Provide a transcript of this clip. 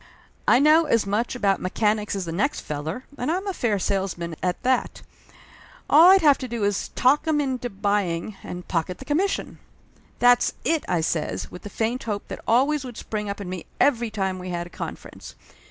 I know as much about mechanics as the next feller, and I'm a fair salesman, at that ! All I'd have to do is to talk 'em into buying, and pocket the commission !" "That's it !" I says, with the faint hope that always would spring up in me every time we had a confer ence.